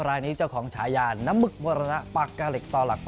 รายนี้เจ้าของฉายาน้ำมึกมรณปากกาเหล็กต่อหลัก๒